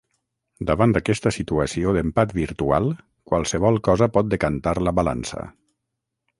Davant d’aquesta situació d’empat virtual qualsevol cosa pot decantar la balança.